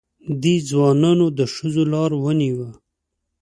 دې ځوانانو د ښځو لاره ونیوه.